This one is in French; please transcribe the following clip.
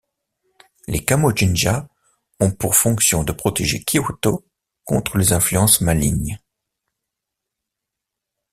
Les Kamo-jinja ont pour fonction de protéger Kyoto contre les influences malignes.